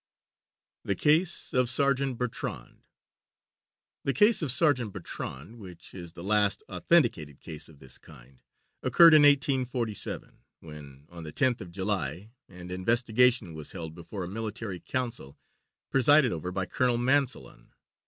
THE CASE OF SERGEANT BERTRAND The case of Sergeant Bertrand, which is the last authenticated case of this kind, occurred in 1847, when, on the 10th of July, an investigation was held before a military council presided over by Colonel Manselon.